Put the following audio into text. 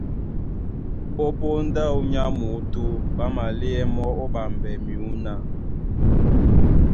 Ó póndá áō nyá muútú, ɓá maléɛ́ mɔ́ ó ɓambɛ myǔná.